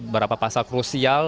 berapa pasal krusial